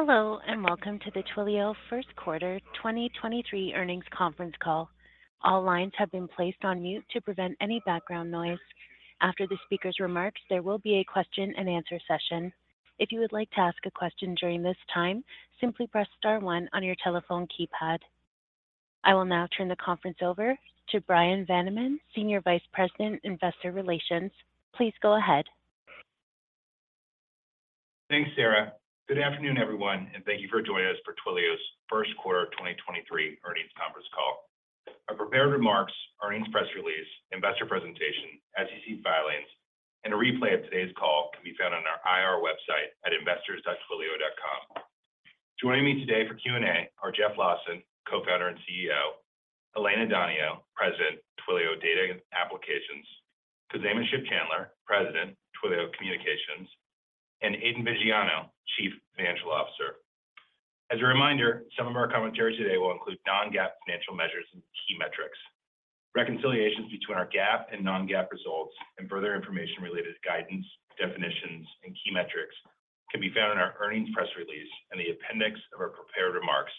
Hello, welcome to the Twilio first quarter 2023 earnings conference call. All lines have been placed on mute to prevent any background noise. After the speaker's remarks, there will be a question-and-answer session. If you would like to ask a question during this time, simply press star one on your telephone keypad. I will now turn the conference over to Bryan Vaniman, Senior Vice President, Investor Relations. Please go ahead. Thanks, Sarah. Good afternoon, everyone, and thank you for joining us for Twilio's first quarter of 2023 earnings conference call. Our prepared remarks, earnings press release, investor presentation, SEC filings, and a replay of today's call can be found on our IR website at investors.twilio.com. Joining me today for Q&A are Jeff Lawson, Co-founder and CEO, Elena Donio, President, Twilio Data & Applications, Khozema Shipchandler, President, Twilio Communications, and Aidan Viggiano, Chief Financial Officer. As a reminder, some of our commentary today will include non-GAAP financial measures and key metrics. Reconciliations between our GAAP and non-GAAP results and further information related to guidance, definitions, and key metrics can be found in our earnings press release and the appendix of our prepared remarks,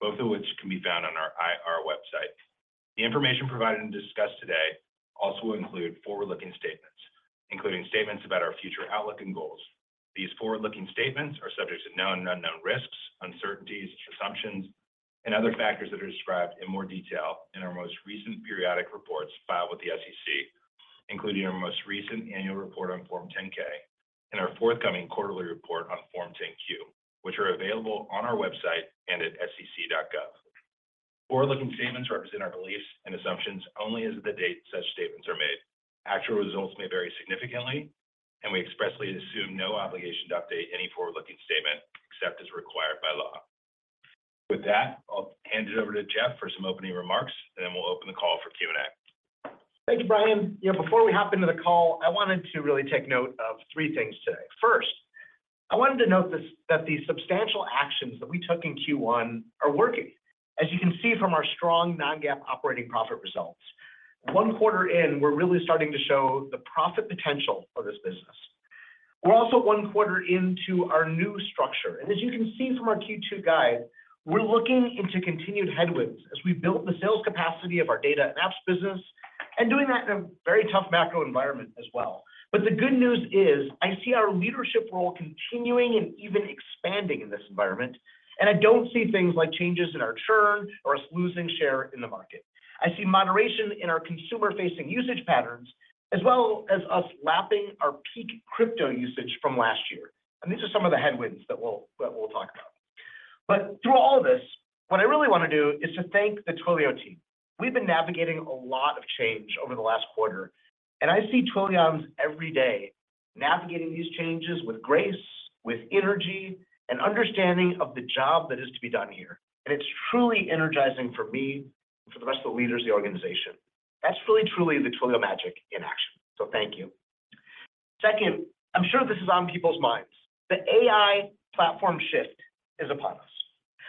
both of which can be found on our IR website. The information provided and discussed today also include forward-looking statements, including statements about our future outlook and goals. These forward-looking statements are subject to known and unknown risks, uncertainties, assumptions, and other factors that are described in more detail in our most recent periodic reports filed with the SEC, including our most recent annual report on Form 10-K and our forthcoming quarterly report on Form 10-Q, which are available on our website and at sec.gov. Forward-looking statements represent our beliefs and assumptions only as of the date such statements are made. Actual results may vary significantly, and we expressly assume no obligation to update any forward-looking statement except as required by law. With that, I'll hand it over to Jeff for some opening remarks, and then we'll open the call for Q&A. Thank you, Bryan. You know, before we hop into the call, I wanted to really take note of three things today. First, I wanted to note this, that the substantial actions that we took in Q1 are working. As you can see from our strong non-GAAP operating profit results, one quarter in, we're really starting to show the profit potential of this business. We're also one quarter into our new structure. As you can see from our Q2 guide, we're looking into continued headwinds as we build the sales capacity of our Data & Apps business and doing that in a very tough macro environment as well. The good news is I see our leadership role continuing and even expanding in this environment, and I don't see things like changes in our churn or us losing share in the market. I see moderation in our consumer-facing usage patterns, as well as us lapping our peak crypto usage from last year. These are some of the headwinds that we'll talk about. Through all this, what I really want to do is to thank the Twilio team. We've been navigating a lot of change over the last quarter, and I see Twilions every day navigating these changes with grace, with energy, and understanding of the job that is to be done here. It's truly energizing for me and for the rest of the leaders of the organization. That's really truly the Twilio magic in action. Thank you. Second, I'm sure this is on people's minds. The AI platform shift is upon us.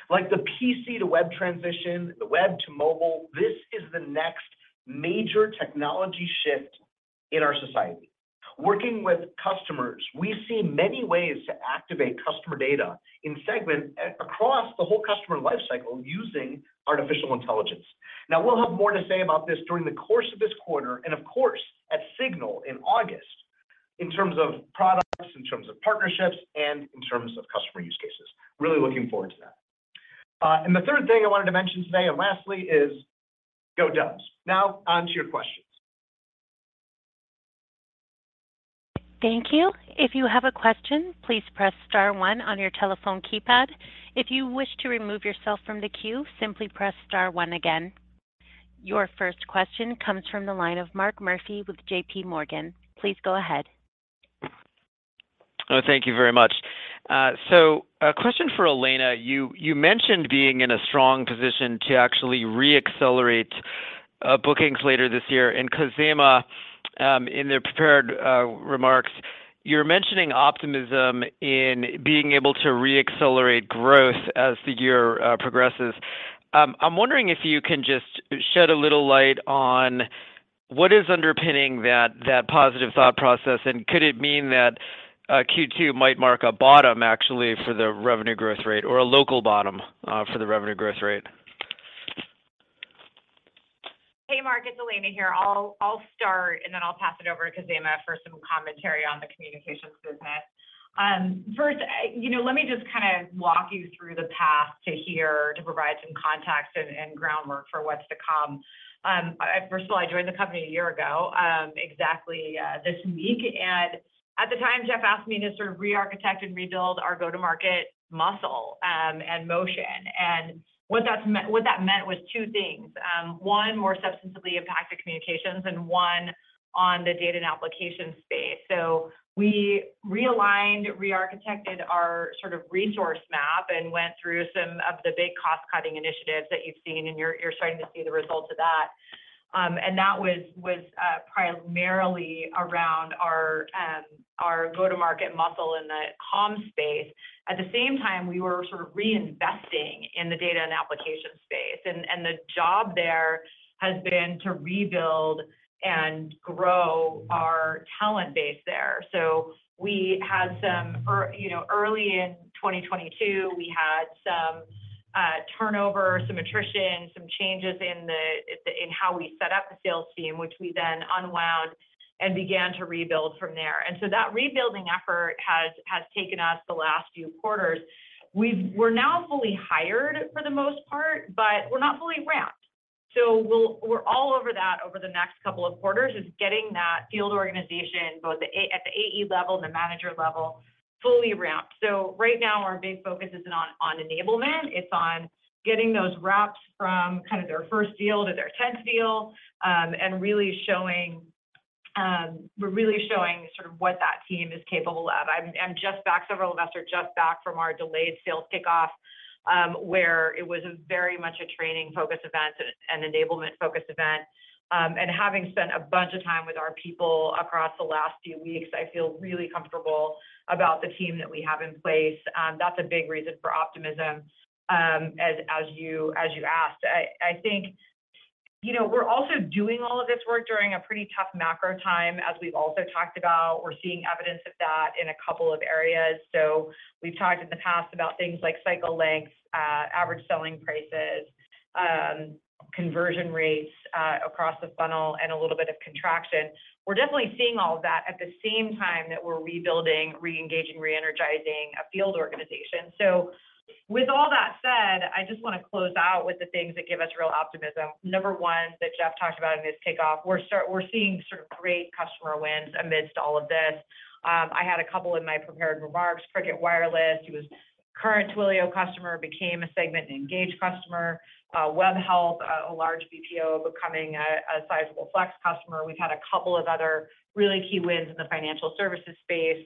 Like the PC to web transition, the web to mobile, this is the next major technology shift in our society. Working with customers, we see many ways to activate customer data in Segment across the whole customer life cycle using artificial intelligence. We'll have more to say about this during the course of this quarter and of course, at SIGNAL in August in terms of products, in terms of partnerships, and in terms of customer use cases. Really looking forward to that. The third thing I wanted to mention today, and lastly is, go Dubs. On to your questions. Thank you. If you have a question, please press star one on your telephone keypad. If you wish to remove yourself from the queue, simply press star one again. Your first question comes from the line of Mark Murphy with JPMorgan. Please go ahead. Thank you very much. A question for Elena. You mentioned being in a strong position to actually re-accelerate bookings later this year. Khozema, in their prepared remarks, you're mentioning optimism in being able to re-accelerate growth as the year progresses. I'm wondering if you can just shed a little light on what is underpinning that positive thought process, and could it mean that Q2 might mark a bottom actually for the revenue growth rate or a local bottom for the revenue growth rate? Hey, Mark. It's Elena here. I'll start, and then I'll pass it over to Khozema for some commentary on the communications business. First, you know, let me just kind of walk you through the path to here to provide some context and groundwork for what's to come. First of all, I joined the company a year ago, exactly this week. At the time, Jeff asked me to sort of rearchitect and rebuild our go-to-market muscle and motion. What that meant was two things. One more substantively impacted communications and one on the data and application space. We realigned, rearchitected our sort of resource map and went through some of the big cost-cutting initiatives that you've seen, and you're starting to see the results of that. That was primarily around our go-to-market muscle in the comm space. At the same time, we were sort of reinvesting in the data and application space. The job there has been to rebuild and grow our talent base there. We had You know, early in 2022, we had turnover, some attrition, some changes in how we set up the sales team, which we then unwound and began to rebuild from there. That rebuilding effort has taken us the last few quarters. We're now fully hired for the most part, but we're not fully ramped. We're all over that over the next couple of quarters, is getting that field organization, both at the AE level and the manager level, fully ramped. Right now, our big focus isn't on enablement. It's on getting those reps from kind of their first deal to their 10th deal, we're really showing sort of what that team is capable of. Several of us are just back from our delayed sales kickoff, where it was very much a training-focused event and an enablement-focused event. Having spent a bunch of time with our people across the last few weeks, I feel really comfortable about the team that we have in place. That's a big reason for optimism, as you asked. I think, you know, we're also doing all of this work during a pretty tough macro time, as we've also talked about. We're seeing evidence of that in two areas. We've talked in the past about things like cycle lengths, average selling prices, conversion rates across the funnel, and a little bit of contraction. We're definitely seeing all of that at the same time that we're rebuilding, re-engaging, re-energizing a field organization. With all that said, I just wanna close out with the things that give us real optimism. Number one, that Jeff talked about in his kickoff, we're seeing sort of great customer wins amidst all of this. I had a couple in my prepared remarks. Cricket Wireless, who is a current Twilio customer, became a Segment and Engage customer. Webhelp, a large BPO becoming a sizable Flex customer. We've had a couple of other really key wins in the financial services space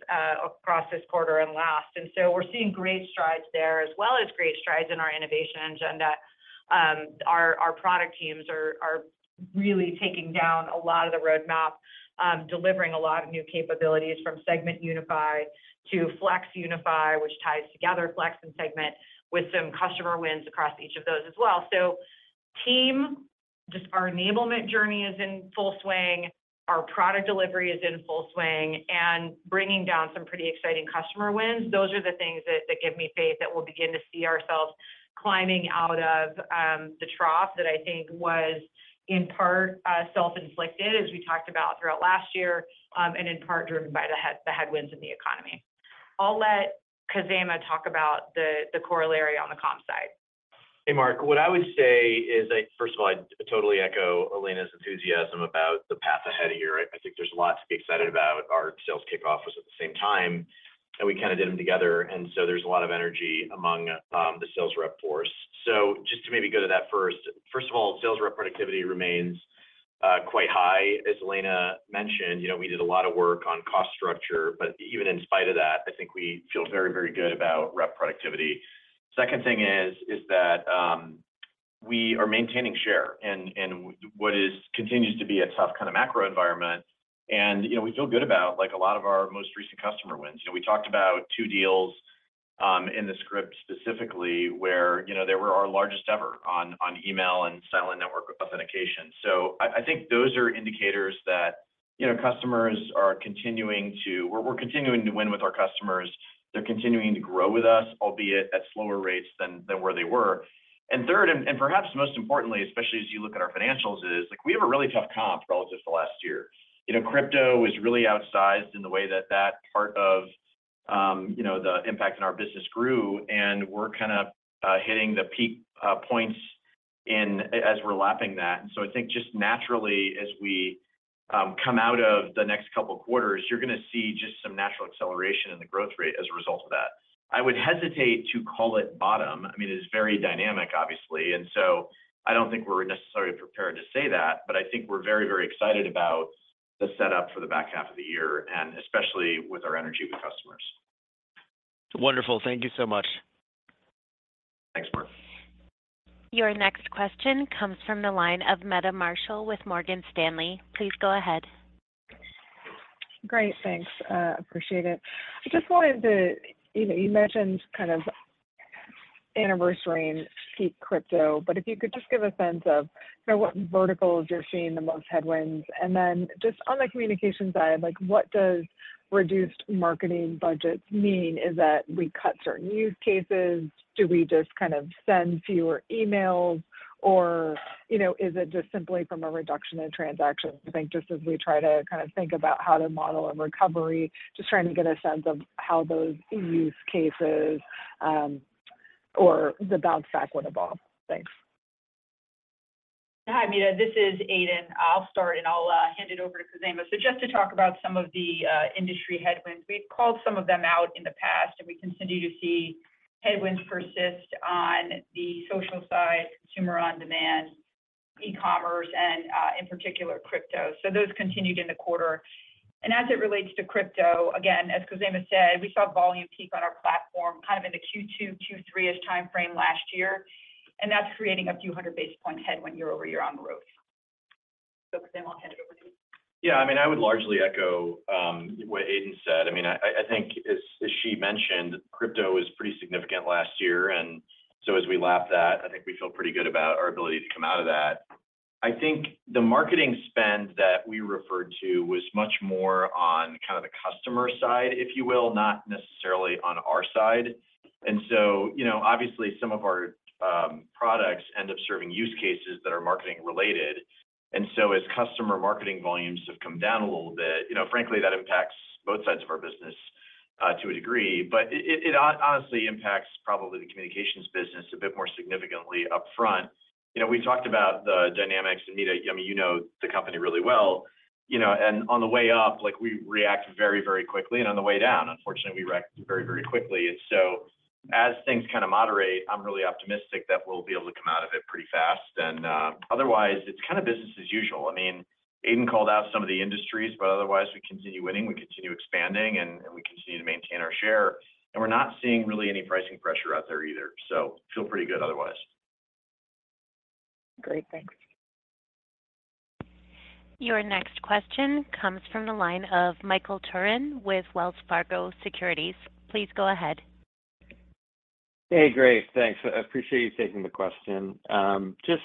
across this quarter and last. We're seeing great strides there, as well as great strides in our innovation agenda. Our product teams are really taking down a lot of the roadmap, delivering a lot of new capabilities from Segment Unify to Flex Unify, which ties together Flex and Segment with some customer wins across each of those as well. Team, just our enablement journey is in full swing. Our product delivery is in full swing, and bringing down some pretty exciting customer wins. Those are the things that give me faith that we'll begin to see ourselves climbing out of the trough that I think was in part self-inflicted, as we talked about throughout last year, and in part driven by the headwinds in the economy. I'll let Khozema talk about the corollary on the comms side. Hey, Mark. What I would say is first of all, I totally echo Elena's enthusiasm about the path ahead here. I think there's a lot to be excited about. Our sales kickoff was at the same time, we kinda did them together, there's a lot of energy among the sales rep force. Just to maybe go to that first. First of all, sales rep productivity remains quite high. As Elena mentioned, you know, we did a lot of work on cost structure, even in spite of that, I think we feel very, very good about rep productivity. Second thing is that we are maintaining share in what continues to be a tough kinda macro environment. You know, we feel good about, like, a lot of our most recent customer wins. You know, we talked about two deals in the script specifically where, you know, they were our largest ever on email and silent network authentication. I think those are indicators that, you know, customers are continuing to win with our customers. They're continuing to grow with us, albeit at slower rates than where they were. Third, and perhaps most importantly, especially as you look at our financials, is, like, we have a really tough comp relative to last year. You know, crypto was really outsized in the way that that part of, you know, the impact in our business grew, and we're kinda hitting the peak points as we're lapping that. I think just naturally as we come out of the next couple quarters, you're gonna see just some natural acceleration in the growth rate as a result of that. I would hesitate to call it bottom. I mean, it is very dynamic, obviously. I don't think we're necessarily prepared to say that, but I think we're very, very excited about the setup for the back half of the year, and especially with our energy with customers. Wonderful. Thank you so much. Thanks, Murph. Your next question comes from the line of Meta Marshall with Morgan Stanley. Please go ahead. Great, thanks. Appreciate it. I just wanted to. You know, you mentioned kind of anniversarying peak crypto, but if you could just give a sense of, you know, what verticals you're seeing the most headwinds. Just on the communication side, like, what does reduced marketing budgets mean? Is that we cut certain use cases? Do we just kind of send fewer emails? Is it just simply from a reduction in transactions? I think just as we try to kind of think about how to model a recovery, just trying to get a sense of how those use cases, or the bounce back would evolve. Thanks. Hi, Meta. This is Aidan. I'll start, I'll hand it over to Khozema. Just to talk about some of the industry headwinds, we've called some of them out in the past, and we continue to see headwinds persist on the social side, consumer on demand, e-commerce, and in particular, crypto. Those continued in the quarter. As it relates to crypto, again, as Khozema said, we saw volume peak on our platform kind of in the Q2, Q3-ish timeframe last year, and that's creating a few hundred basis points head when year-over-year on the road. Khozema, I'll hand it over to you. Yeah, I mean, I would largely echo, what Aidan said. I mean, I think as she mentioned, crypto was pretty significant last year. As we lap that We feel pretty good about our ability to come out of that. I think the marketing spend that we referred to was much more on kind of the customer side, if you will, not necessarily on our side. You know, obviously some of our products end up serving use cases that are marketing related. As customer marketing volumes have come down a little bit, you know, frankly, that impacts both sides of our business to a degree. It honestly impacts probably the communications business a bit more significantly upfront. You know, we talked about the dynamics, and Nina. I mean, you know the company really well, you know. On the way up, like we react very, very quickly, and on the way down, unfortunately we react very, very quickly. As things kind of moderate, I'm really optimistic that we'll be able to come out of it pretty fast. Otherwise, it's kind of business as usual. I mean, Aidan called out some of the industries, but otherwise we continue winning, we continue expanding, and we continue to maintain our share. We're not seeing really any pricing pressure out there either. Feel pretty good otherwise. Great. Thanks. Your next question comes from the line of Michael Turrin with Wells Fargo Securities. Please go ahead. Hey, great. Thanks. I appreciate you taking the question. Just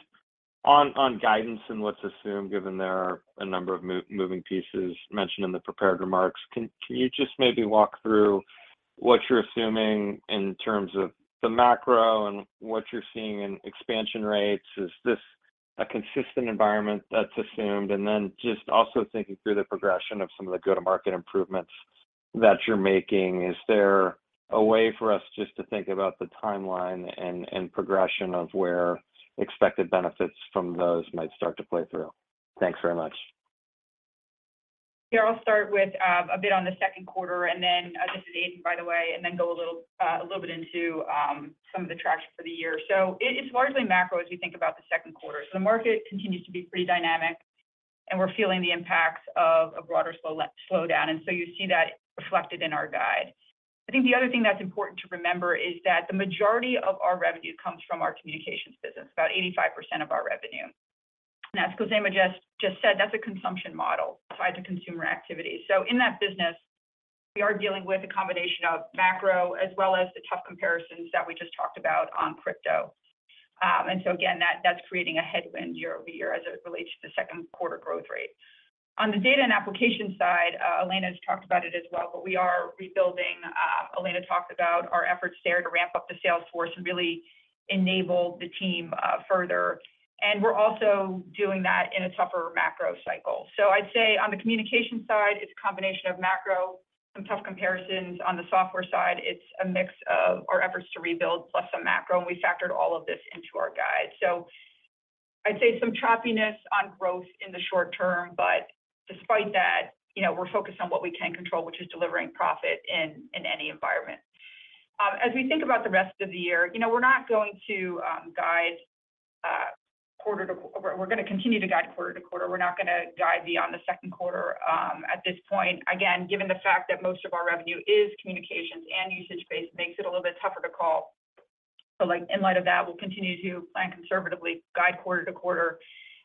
on guidance and what's assumed, given there are a number of moving pieces mentioned in the prepared remarks, can you just maybe walk through what you're assuming in terms of the macro and what you're seeing in expansion rates? Is this a consistent environment that's assumed? Then just also thinking through the progression of some of the go-to-market improvements that you're making, is there a way for us just to think about the timeline and progression of where expected benefits from those might start to play through? Thanks very much. Yeah. I'll start with a bit on the second quarter. This is Aidan, by the way, go a little bit into some of the traction for the year. It's largely macro as you think about the second quarter. The market continues to be pretty dynamic, and we're feeling the impacts of a broader slowdown. You see that reflected in our guide. I think the other thing that's important to remember is that the majority of our revenue comes from our communications business, about 85% of our revenue. As Khozema just said, that's a consumption model tied to consumer activity. In that business, we are dealing with a combination of macro as well as the tough comparisons that we just talked about on crypto. Again, that's creating a headwind year-over-year as it relates to the second quarter growth rate. On the data and application side, Elena's talked about it as well, but we are rebuilding. Elena talked about our efforts there to ramp up the sales force and really enable the team further. We're also doing that in a tougher macro cycle. I'd say on the communication side, it's a combination of macro, some tough comparisons. On the software side, it's a mix of our efforts to rebuild plus some macro, and we factored all of this into our guide. I'd say some choppiness on growth in the short term, but despite that, you know, we're focused on what we can control, which is delivering profit in any environment. As we think about the rest of the year, you know, we're gonna continue to guide quarter to quarter. We're not gonna guide beyond the second quarter at this point. Again, given the fact that most of our revenue is communications and usage-based makes it a little bit tougher to call. In light of that, we'll continue to plan conservatively, guide quarter to quarter.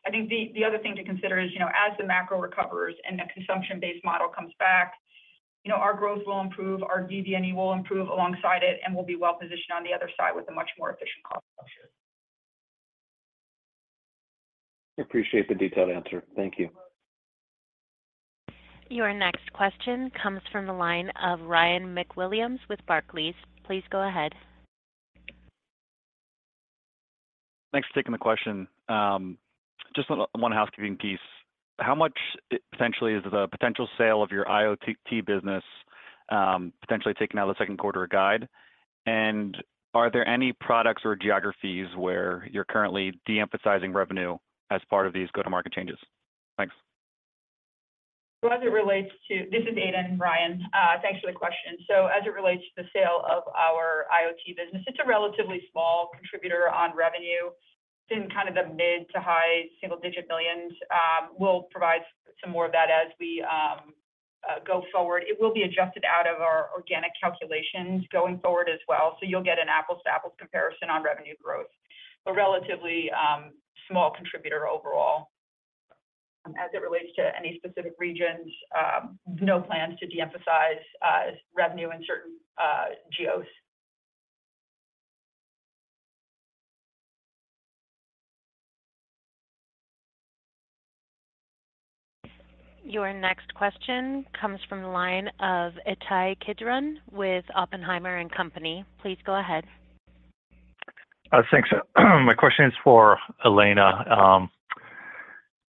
I think the other thing to consider is, you know, as the macro recovers and the consumption-based model comes back, you know, our growth will improve, our EBITDA will improve alongside it, and we'll be well positioned on the other side with a much more efficient cost structure. I appreciate the detailed answer. Thank you. Your next question comes from the line of Ryan MacWilliams with Barclays. Please go ahead. Thanks for taking the question. Just one housekeeping piece. How much potentially is the potential sale of your IoT business, potentially taken out of the second quarter guide? Are there any products or geographies where you're currently de-emphasizing revenue as part of these go-to-market changes? Thanks. This is Aidan, Ryan. Thanks for the question. As it relates to the sale of our IoT business, it's a relatively small contributor on revenue. It's in kind of the mid to high single digit millions. We'll provide some more of that as we go forward. It will be adjusted out of our organic calculations going forward as well, so you'll get an apples to apples comparison on revenue growth. A relatively small contributor overall. As it relates to any specific regions, no plans to de-emphasize revenue in certain geos. Your next question comes from the line of Ittai Kidron with Oppenheimer & Co. Please go ahead. Thanks. My question is for Elena.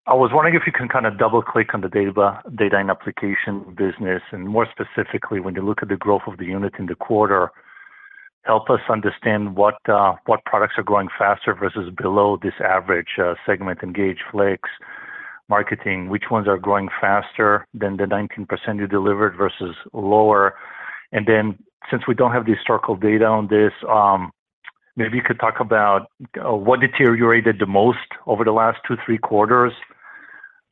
I was wondering if you can kind of double-click on the Data & Applications business, and more specifically, when you look at the growth of the unit in the quarter, help us understand what products are growing faster versus below this average, Segment, Engage, Flex, marketing. Which ones are growing faster than the 19% you delivered versus lower? Since we don't have the historical data on this, maybe you could talk about what deteriorated the most over the last two, three quarters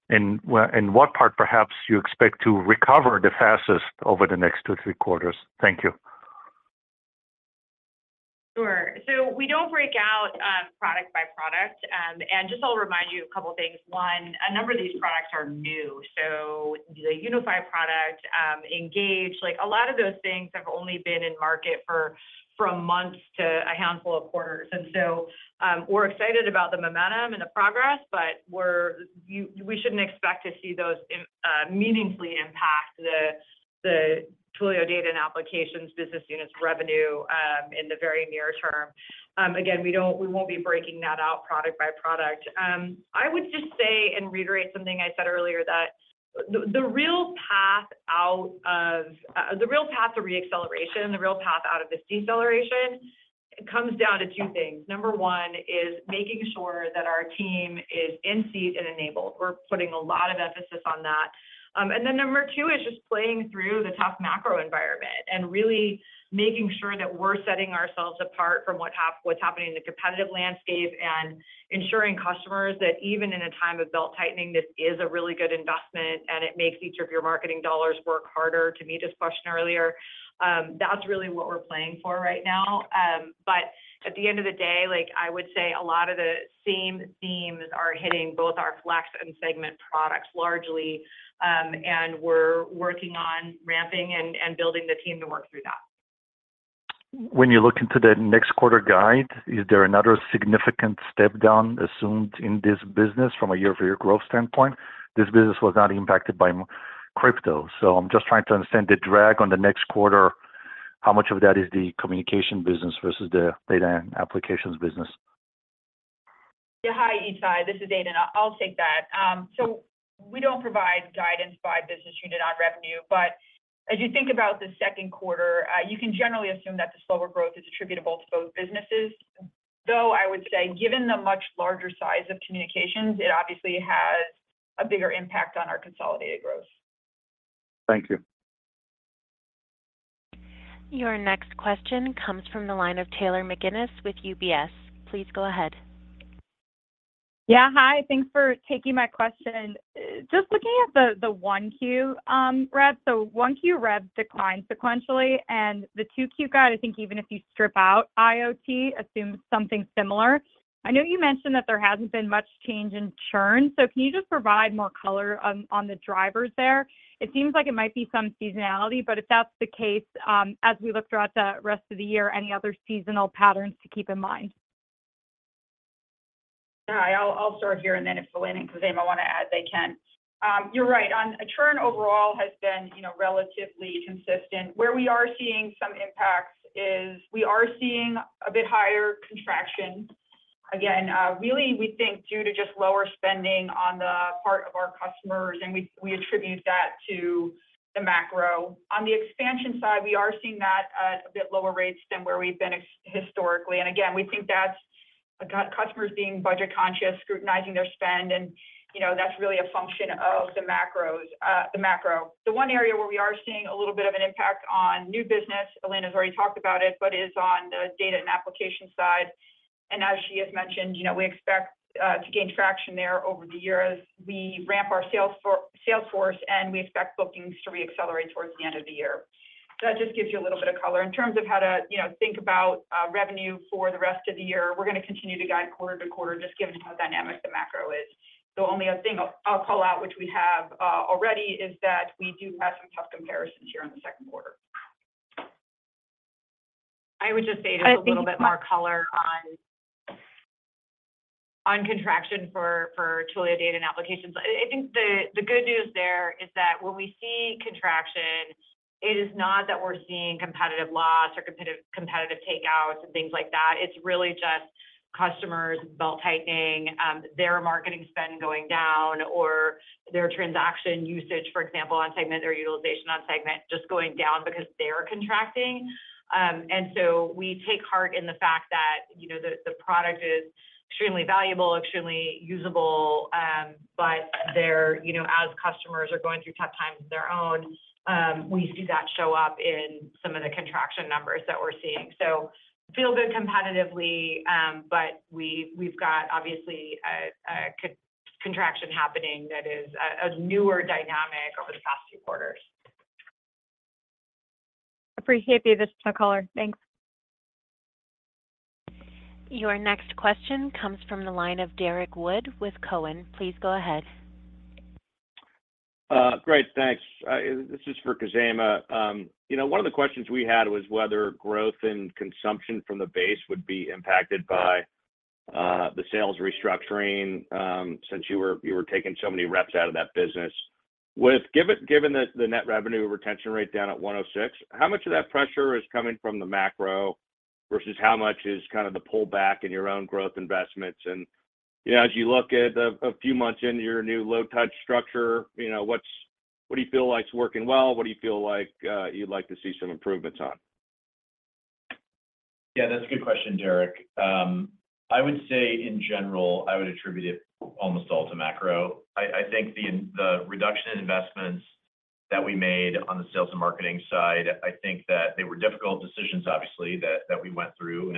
and what part perhaps you expect to recover the fastest over the next two, three quarters. Thank you. Sure. We don't break out product by product. Just I'll remind you a couple of things. One, a number of these products are new, so the unified product, Engage, like a lot of those things have only been in market for from months to a handful of quarters. We're excited about the momentum and the progress, but we shouldn't expect to see those meaningfully impact the Twilio Data & Applications business units revenue in the very near term. Again, we won't be breaking that out product by product. I would just say and reiterate something I said earlier, that the real path out of... the real path to re-acceleration, the real path out of this deceleration comes down to two things. Number one is making sure that our team is in seat and enabled. We're putting a lot of emphasis on that. Number two is just playing through the tough macro environment and really making sure that we're setting ourselves apart from what's happening in the competitive landscape and ensuring customers that even in a time of belt-tightening, this is a really good investment and it makes each of your marketing dollars work harder. To me, this question earlier, that's really what we're playing for right now. At the end of the day, like I would say a lot of the same themes are hitting both our Flex and Segment products largely. We're working on ramping and building the team to work through that. When you look into the next quarter guide, is there another significant step down assumed in this business from a year-over-year growth standpoint? This business was not impacted by crypto, so I'm just trying to understand the drag on the next quarter. How much of that is the Communications business versus the Data & Applications business? Yeah. Hi, Ittai. This is Aidan. I'll take that. We don't provide guidance by business unit on revenue. As you think about the second quarter, you can generally assume that the slower growth is attributable to both businesses. Though, I would say given the much larger size of communications, it obviously has a bigger impact on our consolidated growth. Thank you. Your next question comes from the line of Taylor McGinnis with UBS. Please go ahead. Yeah. Hi. Thanks for taking my question. Just looking at the 1Q rep. 1Q rep declined sequentially and the 2Q guide, I think even if you strip out IoT assumes something similar. I know you mentioned that there hasn't been much change in churn, can you just provide more color on the drivers there? It seems like it might be some seasonality, but if that's the case, as we look throughout the rest of the year, any other seasonal patterns to keep in mind? Yeah, I'll start here and then if Elena and Khozema want to add, they can. You're right on. Churn overall has been, you know, relatively consistent. Where we are seeing some impacts is we are seeing a bit higher contraction again, really we think due to just lower spending on the part of our customers and we attribute that to the macro. On the expansion side, we are seeing that at a bit lower rates than where we've been ex-historically. Again, we think that's customers being budget conscious, scrutinizing their spend and, you know, that's really a function of the macro. The one area where we are seeing a little bit of an impact on new business, Elena's already talked about it, but is on the data and application side. As she has mentioned, you know, we expect to gain traction there over the year as we ramp our sales force, and we expect bookings to re-accelerate towards the end of the year. That just gives you a little bit of color. In terms of how to, you know, think about revenue for the rest of the year. We're gonna continue to guide quarter to quarter just given how dynamic the macro is. Only a thing I'll call out, which we have already, is that we do have some tough comparisons here in the second quarter. I would just say just a little bit more color on contraction for Twilio Data & Applications. I think the good news there is that when we see contraction, it is not that we're seeing competitive loss or competitive takeouts and things like that. It's really just customers belt-tightening, their marketing spend going down or their transaction usage, for example, on Segment or utilization on Segment just going down because they're contracting. We take heart in the fact that, you know, the product is extremely valuable, extremely usable. They're, you know, as customers are going through tough times of their own, we see that show up in some of the contraction numbers that we're seeing. feel good competitively, but we've got obviously a contraction happening that is a newer dynamic over the past few quarters. Appreciate the additional color. Thanks. Your next question comes from the line of Derrick Wood with Cowen. Please go ahead. Great, thanks. This is for Khozema. You know, one of the questions we had was whether growth and consumption from the base would be impacted by the sales restructuring, since you were taking so many reps out of that business. Given the net revenue retention rate down at 106%, how much of that pressure is coming from the macro versus how much is kind of the pullback in your own growth investments? You know, as you look at a few months into your new low touch structure, what do you feel like is working well? What do you feel like you'd like to see some improvements on? Yeah, that's a good question, Derrick. I would say in general, I would attribute it almost all to macro. I think the reduction in investments that we made on the sales and marketing side, I think that they were difficult decisions obviously, that we went through.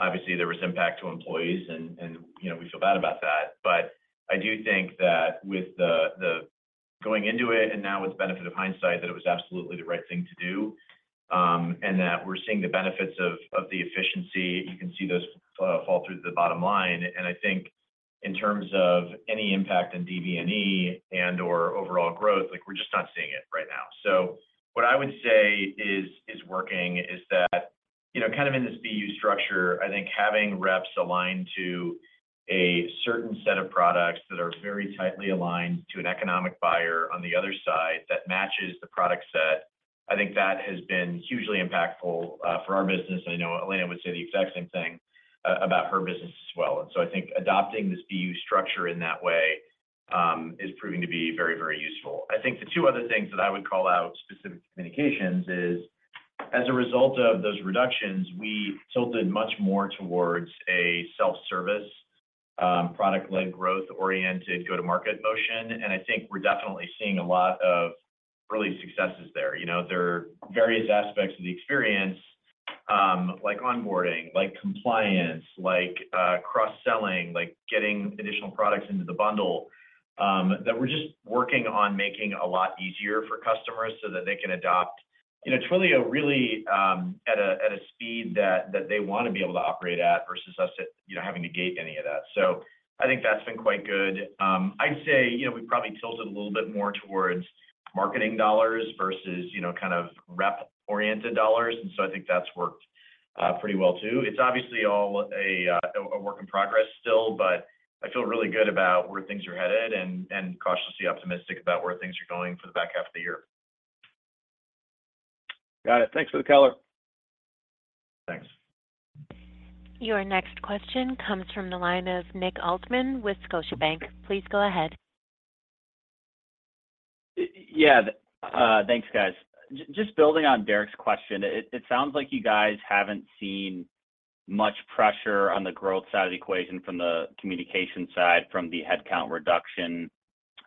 Obviously there was impact to employees and, you know, we feel bad about that. I do think that with Going into it and now with the benefit of hindsight that it was absolutely the right thing to do, and that we're seeing the benefits of the efficiency. You can see those fall through to the bottom line. I think in terms of any impact on DV&E and or overall growth, like, we're just not seeing it right now. What I would say is working is that, you know, kind of in this BU structure, I think having reps aligned to a certain set of products that are very tightly aligned to an economic buyer on the other side that matches the product set, I think that has been hugely impactful for our business. I know Elena Donio would say the exact same thing about her business as well. I think adopting this BU structure in that way is proving to be very, very useful. I think the two other things that I would call out specific to communications is as a result of those reductions, we tilted much more towards a self-service, product-led growth-oriented go-to-market motion. I think we're definitely seeing a lot of early successes there. You know, there are various aspects of the experience, like onboarding, like compliance, like cross-selling, like getting additional products into the bundle, that we're just working on making a lot easier for customers so that they can adopt, you know, Twilio really, at a speed that they want to be able to operate at versus us at, you know, having to gate any of that. I think that's been quite good. I'd say, you know, we probably tilted a little bit more towards marketing dollars versus, you know, kind of rep-oriented dollars. I think that's worked pretty well too. It's obviously all a work in progress still, but I feel really good about where things are headed and cautiously optimistic about where things are going for the back half of the year. Got it. Thanks for the color. Thanks. Your next question comes from the line of Nick Altmann with Scotiabank. Please go ahead. Yeah. Thanks, guys. Just building on Derrick's question, it sounds like you guys haven't seen much pressure on the growth side of the equation from the Communications side, from the headcount reduction,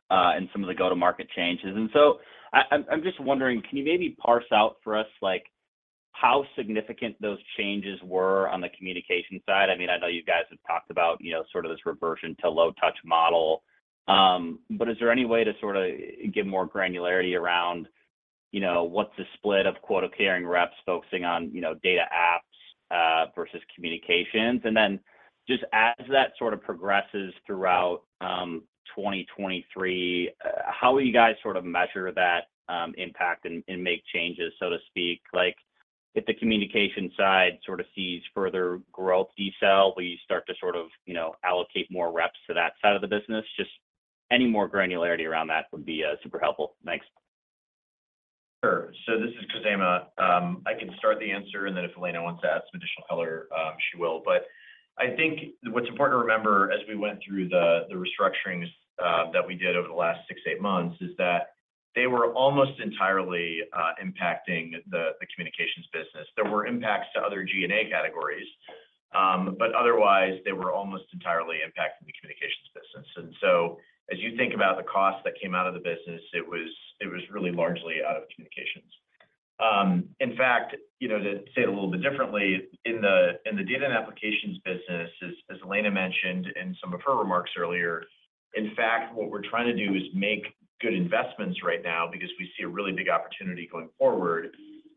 and some of the go-to-market changes. I'm just wondering, can you maybe parse out for us, like, how significant those changes were on the Communications side? I mean, I know you guys have talked about, you know, sort of this reversion to low touch model. But is there any way to sort of give more granularity around, you know, what's the split of quota-carrying reps focusing on, you know, Data & Applications versus Communications? Just as that sort of progresses throughout 2023, how will you guys sort of measure that impact and make changes, so to speak? Like, if the communication side sort of sees further growth decel, will you start to sort of, you know, allocate more reps to that side of the business? Just any more granularity around that would be super helpful. Thanks. Sure. This is Khozema. I can start the answer, and then if Elena wants to add some additional color, she will. I think what's important to remember as we went through the restructurings that we did over the last six, eight months is that they were almost entirely impacting the communications business. There were impacts to other G&A categories, but otherwise they were almost entirely impacting the communications business. As you think about the cost that came out of the business, it was really largely out of communications. In fact, you know, to say it a little bit differently, in the Data & Applications business, as Elena mentioned in some of her remarks earlier, in fact, what we're trying to do is make good investments right now because we see a really big opportunity going forward,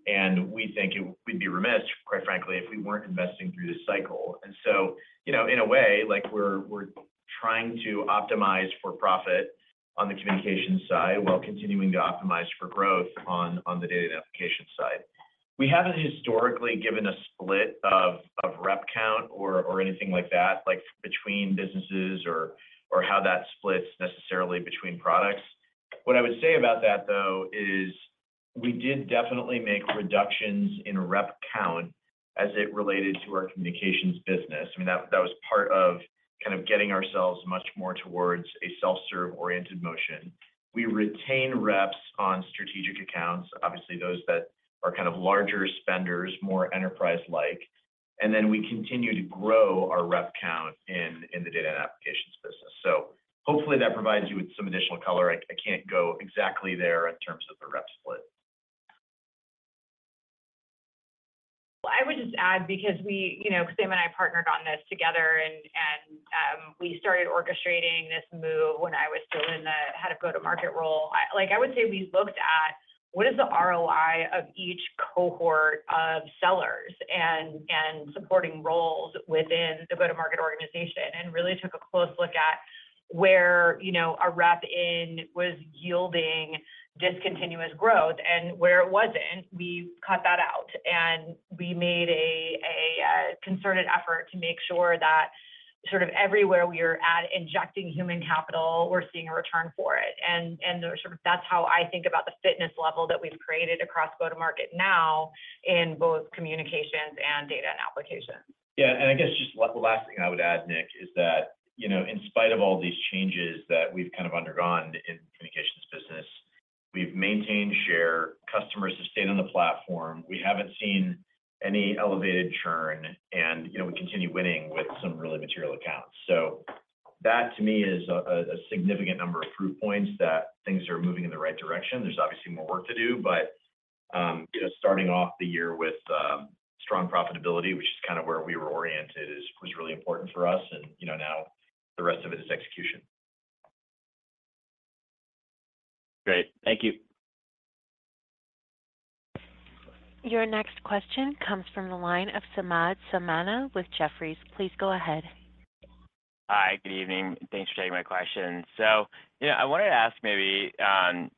and we think we'd be remiss, quite frankly, if we weren't investing through this cycle. You know, in a way, like we're trying to optimize for profit on the Communications side while continuing to optimize for growth on the Data & Applications side. We haven't historically given a split of rep count or anything like that, like between businesses or how that splits necessarily between products. What I would say about that, though, is we did definitely make reductions in rep count as it related to our Communications business. I mean, that was part of kind of getting ourselves much more towards a self-serve oriented motion. We retain reps on strategic accounts, obviously those that are kind of larger spenders, more enterprise-like. We continue to grow our rep count in the Data & Applications business. Hopefully that provides you with some additional color. I can't go exactly there in terms of the rep split. I would just add because you know, Khozema and I partnered on this together and we started orchestrating this move when I was still in the head of go-to-market role. Like I would say we looked at what is the ROI of each cohort of sellers and supporting roles within the go-to-market organization, and really took a close look at where, you know, a rep in was yielding discontinuous growth. Where it wasn't, we cut that out, and we made a concerted effort to make sure that sort of everywhere we're at injecting human capital, we're seeing a return for it. Sort of that's how I think about the fitness level that we've created across go-to-market now in both communications and Data & Applications. Yeah. I guess just the last thing I would add, Nick, is that, you know, in spite of all these changes that we've kind of undergone in communications business, we've maintained share. Customers have stayed on the platform. We haven't seen any elevated churn and, you know, we continue winning with some really material accounts. That to me is a significant number of proof points that things are moving in the right direction. There's obviously more work to do, but You know, starting off the year with strong profitability, which is kind of where we were oriented was really important for us. Now, you know, the rest of it is execution. Great. Thank you. Your next question comes from the line of Samad Samana with Jefferies. Please go ahead. Hi, good evening. Thanks for taking my question. You know, I wanted to ask maybe on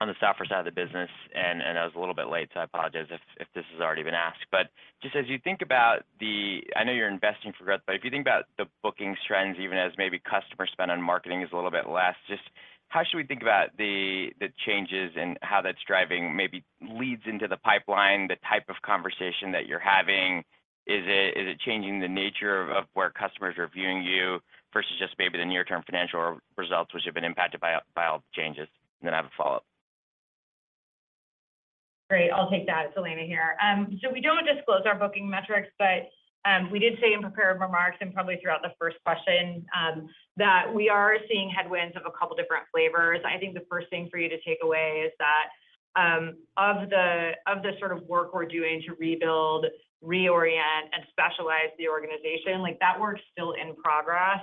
the software side of the business, and I was a little bit late, so I apologize if this has already been asked. Just as you think about I know you're investing for growth, but if you think about the booking trends, even as maybe customer spend on marketing is a little bit less, just how should we think about the changes and how that's driving maybe leads into the pipeline, the type of conversation that you're having? Is it changing the nature of where customers are viewing you versus just maybe the near term financial results which have been impacted by all the changes? I have a follow-up. Great. I'll take that. It's Elena here. We don't disclose our booking metrics, but we did say in prepared remarks and probably throughout the first question, that we are seeing headwinds of a couple different flavors. I think the first thing for you to take away is that of the sort of work we're doing to rebuild, reorient, and specialize the organization, like that work's still in progress.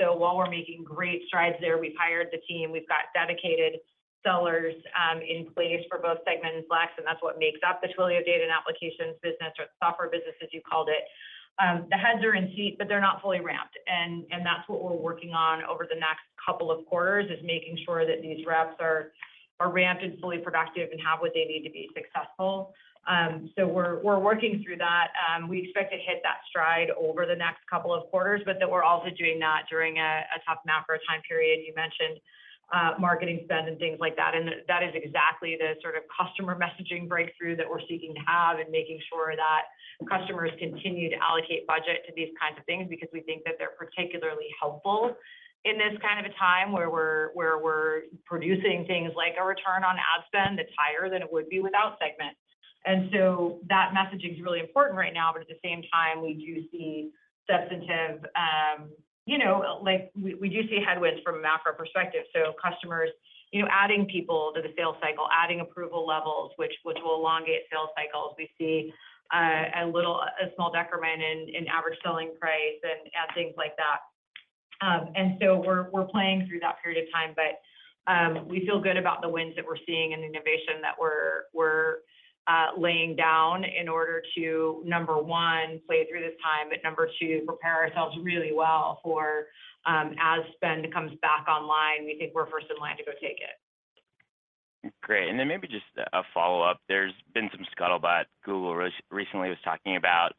While we're making great strides there, we've hired the team, we've got dedicated sellers, in place for both Segment and Flex, and that's what makes up the Twilio Data & Applications business or the software business, as you called it. The heads are in seat, but they're not fully ramped, and that's what we're working on over the next couple of quarters, is making sure that these reps are ramped and fully productive and have what they need to be successful. We're working through that. We expect to hit that stride over the next couple of quarters, but that we're also doing that during a tough macro time period. You mentioned marketing spend and things like that, and that is exactly the sort of customer messaging breakthrough that we're seeking to have, and making sure that customers continue to allocate budget to these kinds of things because we think that they're particularly helpful in this kind of a time where we're producing things like a return on ad spend that's higher than it would be without Segment. That messaging's really important right now, but at the same time, we do see substantive, you know, like we do see headwinds from a macro perspective. Customers, you know, adding people to the sales cycle, adding approval levels, which will elongate sales cycles. We see a little, a small decrement in average selling price and things like that. We're playing through that period of time, but we feel good about the wins that we're seeing and the innovation that we're laying down in order to, number one, play through this time, but number two, prepare ourselves really well for as spend comes back online, we think we're first in line to go take it. Great. Then maybe just a follow-up. There's been some scuttlebutt. Google recently was talking about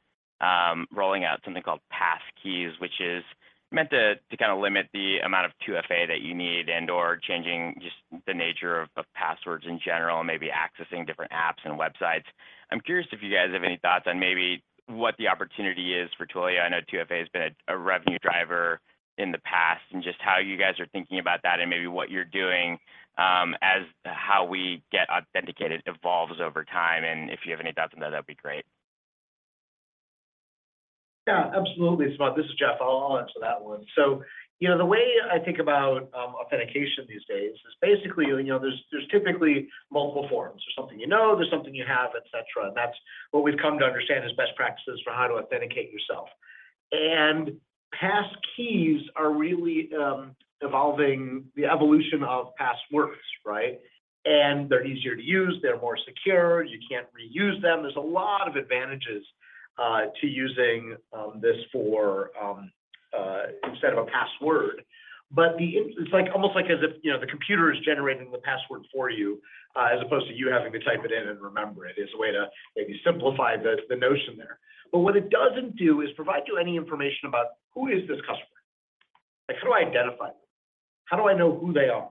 rolling out something called Passkeys, which is meant to kind of limit the amount of 2FA that you need and/or changing just the nature of passwords in general and maybe accessing different apps and websites. I'm curious if you guys have any thoughts on maybe what the opportunity is for Twilio. I know 2FA has been a revenue driver in the past, and just how you guys are thinking about that and maybe what you're doing as how we get authenticated evolves over time. If you have any thoughts on that'd be great. Yeah, absolutely. Samad, this is Jeff. I'll answer that one. You know, the way I think about authentication these days is basically, you know, there's typically multiple forms. There's something you know, there's something you have, et cetera, and that's what we've come to understand as best practices for how to authenticate yourself. Passkeys are really evolving the evolution of passwords, right? They're easier to use. They're more secure. You can't reuse them. There's a lot of advantages to using this for instead of a password. It's like, almost like as if, you know, the computer is generating the password for you, as opposed to you having to type it in and remember it, is a way to maybe simplify the notion there. What it doesn't do is provide you any information about who is this customer. Like, how do I identify them? How do I know who they are?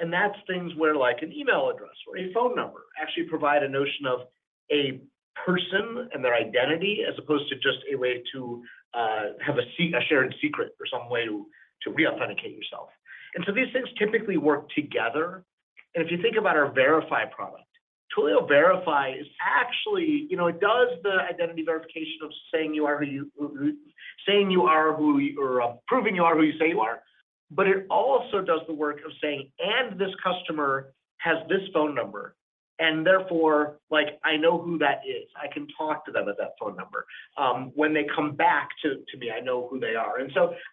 That's things where like an email address or a phone number actually provide a notion of a person and their identity as opposed to just a way to have a shared secret or some way to reauthenticate yourself. These things typically work together. If you think about our Verify product, Twilio Verify is actually, you know, it does the identity verification of proving you are who you say you are, but it also does the work of saying, and this customer has this phone number, and therefore, like, I know who that is. I can talk to them at that phone number. When they come back to me, I know who they are.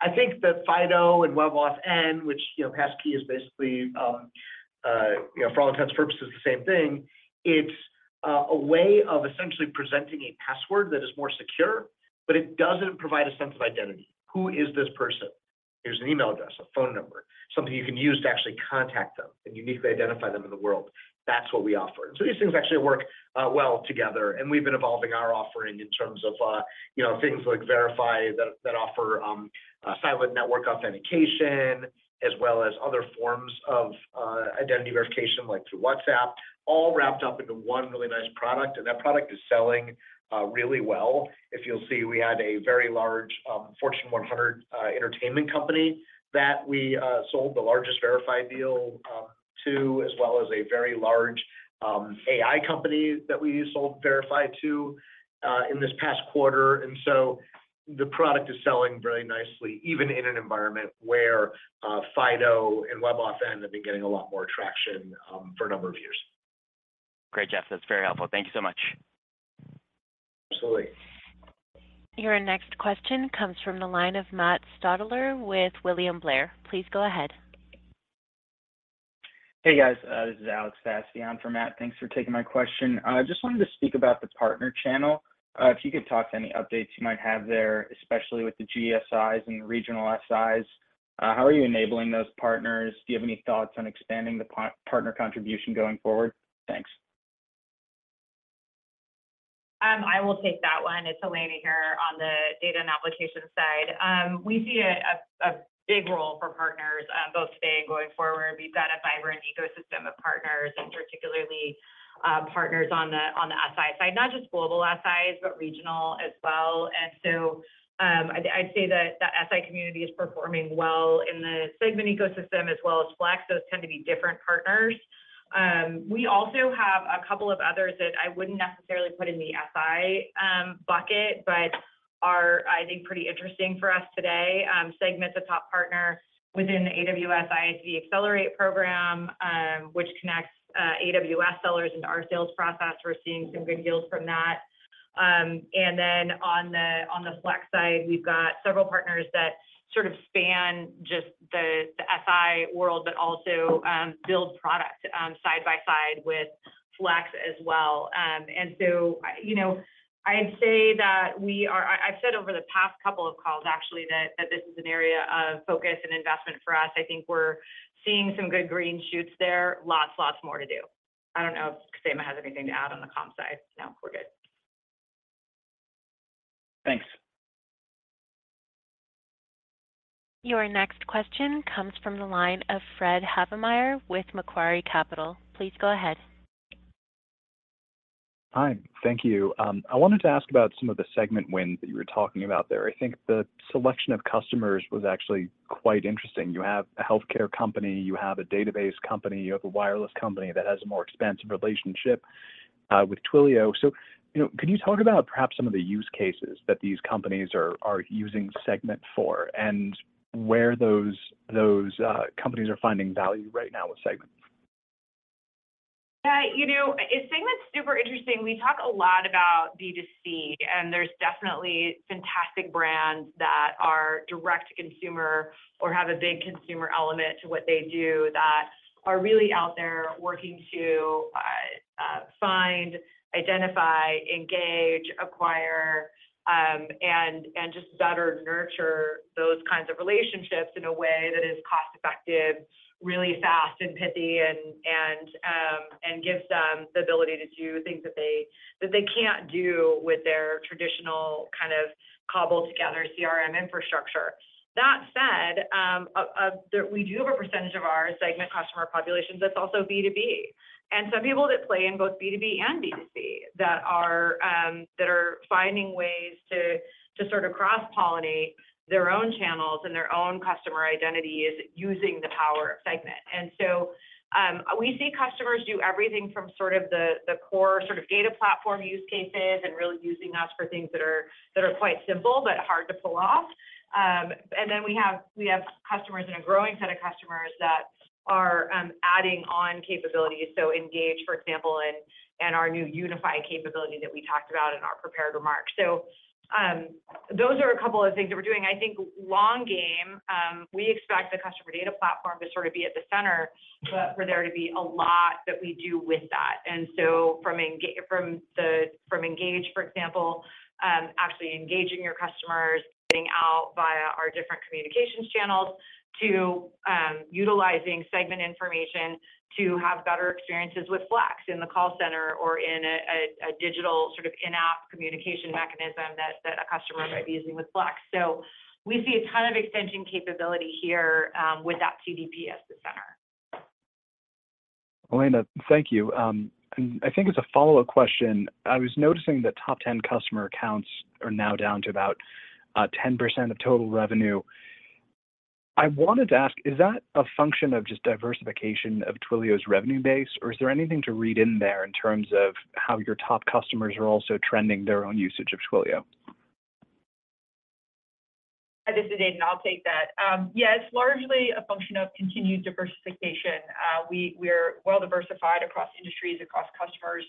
I think that FIDO and WebAuthn, which, you know, Passkey is basically, you know, for all intents and purposes the same thing, it's a way of essentially presenting a password that is more secure, but it doesn't provide a sense of identity. Who is this person? Here's an email address, a phone number, something you can use to actually contact them and uniquely identify them in the world. That's what we offer. These things actually work well together, and we've been evolving our offering in terms of, you know, things like Verify that offer silent network authentication, as well as other forms of identity verification, like through WhatsApp, all wrapped up into one really nice product, and that product is selling really well. If you'll see, we had a very large Fortune 100 entertainment company that we sold the largest Verify deal to, as well as a very large AI company that we sold Verify to in this past quarter. The product is selling very nicely, even in an environment where FIDO and WebAuthn have been getting a lot more traction for a number of years. Great, Jeff. That's very helpful. Thank you so much. Absolutely. Your next question comes from the line of Matt Stotler with William Blair. Please go ahead. Hey, guys. This is Alex Vasti for Matt. Thanks for taking my question. I just wanted to speak about the partner channel. If you could talk to any updates you might have there, especially with the GSIs and the regional SIs. How are you enabling those partners? Do you have any thoughts on expanding the partner contribution going forward? Thanks. I will take that one. It's Elena here on the data and application side. We see a big role for partners both today and going forward. We've got a vibrant ecosystem of partners and particularly partners on the SI side. Not just global SIs, regional as well. I'd say that SI community is performing well in the Segment ecosystem as well as Flex. Those tend to be different partners. We also have a couple of others that I wouldn't necessarily put in the SI bucket, are, I think, pretty interesting for us today. Segment's a top partner within the AWS ISV Accelerate program, which connects AWS sellers into our sales process. We're seeing some good deals from that. On the, on the Flex side, we've got several partners that sort of span just the SI world, but also, build product, side by side with Flex as well. You know, I'd say that we are... I've said over the past couple of calls actually that this is an area of focus and investment for us. I think we're seeing some good green shoots there. Lots more to do. I don't know if Samad has anything to add on the comms side. No, we're good. Thanks. Your next question comes from the line of Fred Havemeyer with Macquarie Capital. Please go ahead. Hi. Thank you. I wanted to ask about some of the Segment wins that you were talking about there. I think the selection of customers was actually quite interesting. You have a healthcare company, you have a database company, you have a wireless company that has a more expansive relationship with Twilio. You know, could you talk about perhaps some of the use cases that these companies are using Segment for, and where those companies are finding value right now with Segment? You know, a thing that's super interesting, we talk a lot about B2C, there's definitely fantastic brands that are direct to consumer or have a big consumer element to what they do that are really out there working to find, identify, engage, acquire, and just better nurture those kinds of relationships in a way that is cost effective, really fast and pithy, and gives them the ability to do things that they can't do with their traditional kind of cobbled together CRM infrastructure. That said, we do have a percentage of our Segment customer population that's also B2B, some people that play in both B2B and B2C that are finding ways to sort of cross-pollinate their own channels and their own customer identities using the power of Segment. We see customers do everything from sort of the core sort of data platform use cases and really using us for things that are, that are quite simple, but hard to pull off. Then we have, we have customers and a growing set of customers that are adding on capabilities, so Engage, for example, and our new Unify capability that we talked about in our prepared remarks. Those are a couple of things that we're doing. I think long game, we expect the Customer Data Platform to sort of be at the center, but for there to be a lot that we do with that. From the... from Engage, for example, actually engaging your customers, getting out via our different communications channels to, utilizing Segment information to have better experiences with Flex in the call center or in a digital sort of in-app communication mechanism that a customer might be using with Flex. We see a ton of extension capability here, with that CDP as the center. Elena, thank you. I think as a follow-up question, I was noticing that top 10 customer accounts are now down to about 10% of total revenue. I wanted to ask, is that a function of just diversification of Twilio's revenue base, or is there anything to read in there in terms of how your top customers are also trending their own usage of Twilio? This is Aidan. I'll take that. Yeah, it's largely a function of continued diversification. We're well diversified across industries, across customers,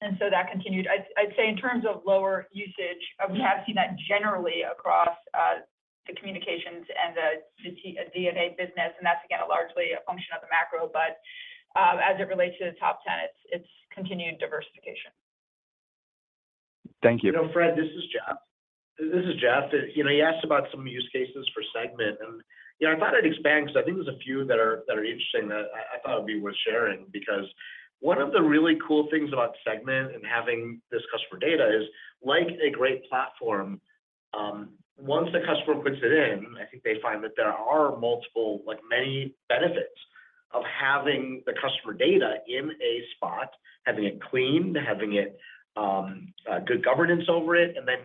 that continued. I'd say in terms of lower usage, we have seen that generally across the Communications and the D&A business, that's again, largely a function of the macro, as it relates to the top 10, it's continued diversification. Thank you. You know, Fred, this is Jeff. This is Jeff. You know, you asked about some use cases for Segment, you know, I thought I'd expand because I think there's a few that are interesting that I thought would be worth sharing. One of the really cool things about Segment and having this customer data is, like a great platform, once the customer puts it in, I think they find that there are multiple, like many benefits of having the customer data in a spot, having it cleaned, having it good governance over it, and then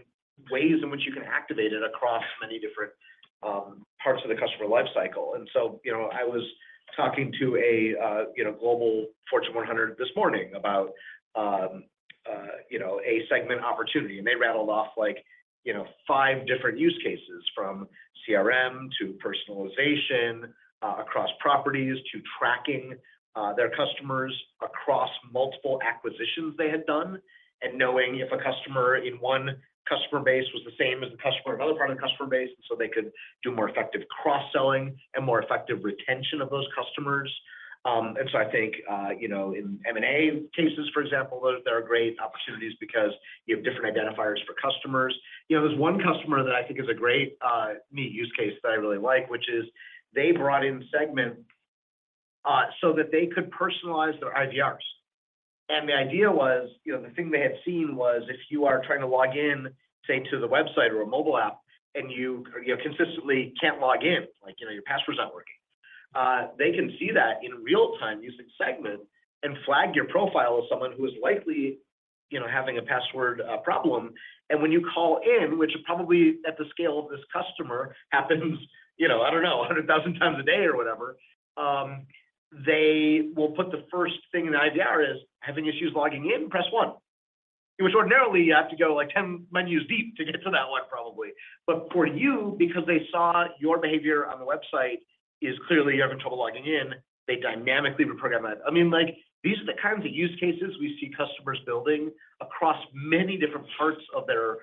ways in which you can activate it across many different parts of the customer life cycle. you know, I was talking to a, you know, global Fortune 100 this morning about, you know, a Segment opportunity, and they rattled off like, you know, five different use cases from CRM to personalization across properties to tracking their customers across multiple acquisitions they had done, and knowing if a customer in one customer base was the same as a customer in another part of the customer base, so they could do more effective cross-selling and more effective retention of those customers. I think, you know, in M&A cases, for example, there are great opportunities because you have different identifiers for customers. You know, there's one customer that I think is a great, neat use case that I really like, which is they brought in Segment so that they could personalize their IVRs. The idea was, you know, the thing they had seen was if you are trying to log in, say, to the website or a mobile app, and you know, consistently can't log in, like, you know, your password's not working, they can see that in real-time using Segment and flag your profile as someone who is likely, you know, having a password problem. When you call in, which probably at the scale of this customer happens, you know, I don't know, 100,000 times a day or whatever, they will put the first thing in the IVR is, "Having issues logging in? Press one." In which ordinarily, you have to go, like, 10 menus deep to get to that 1, probably. For you, because they saw your behavior on the website is clearly you're having trouble logging in, they dynamically reprogram that. I mean, like, these are the kinds of use cases we see customers building across many different parts of their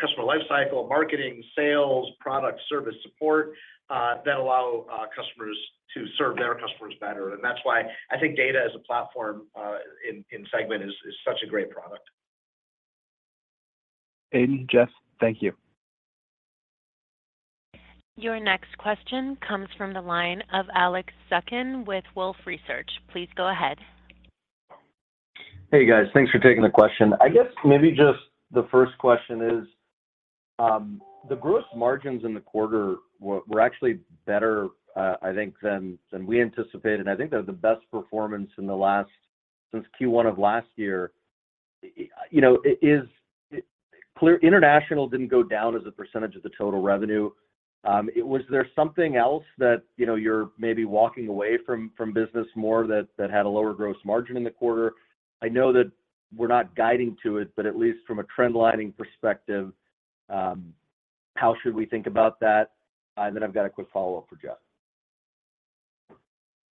customer life cycle, marketing, sales, product, service support, that allow customers to serve their customers better. That's why I think data as a platform, in Segment is such a great product. Aidan, Jeff, thank you. Your next question comes from the line of Alex Zukin with Wolfe Research. Please go ahead. Hey, guys. Thanks for taking the question. I guess maybe just the first question is, the gross margins in the quarter were actually better, I think than we anticipated. I think they're the best performance in the last since Q1 of last year. You know, International didn't go down as a % of the total revenue. Was there something else that, you know, you're maybe walking away from business more that had a lower gross margin in the quarter? I know that we're not guiding to it, but at least from a trend lining perspective, how should we think about that? I've got a quick follow-up for Jeff.